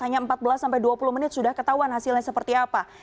hanya empat belas sampai dua puluh menit sudah ketahuan hasilnya seperti apa